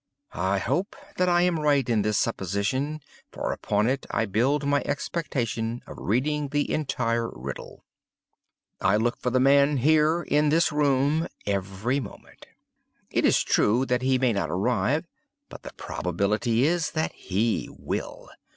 I hope that I am right in this supposition; for upon it I build my expectation of reading the entire riddle. I look for the man here—in this room—every moment. It is true that he may not arrive; but the probability is that he will.